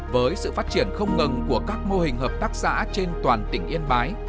với sự phát triển không ngừng của các mô hình hợp tác xã trên toàn tỉnh yên bái